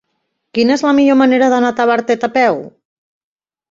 Quina és la millor manera d'anar a Tavertet a peu?